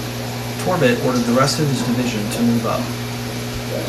Torbert ordered the rest of his division to move up.